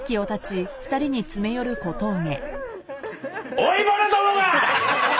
老いぼれどもが！